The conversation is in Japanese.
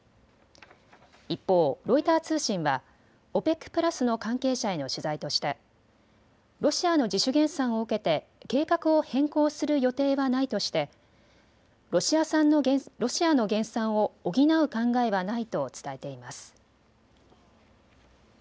一方、ロイター通信はＯＰＥＣプラスの関係者への取材としてロシアの自主減産を受けて計画を変更する予定はないとしてロシアの減産を補う考えはないと伝えています。